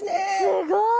すごい！